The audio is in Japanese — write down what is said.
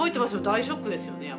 大ショックですよねやっぱり。